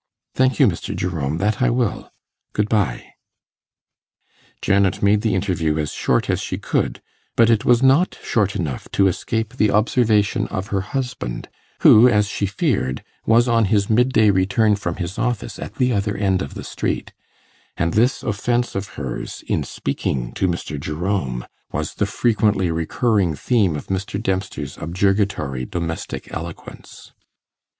'Thank you, Mr. Jerome, that I will. Good bye.' Janet made the interview as short as she could, but it was not short enough to escape the observation of her husband, who, as she feared, was on his mid day return from his office at the other end of the street, and this offence of hers, in speaking to Mr. Jerome, was the frequently recurring theme of Mr. Dempster's objurgatory domestic eloquence.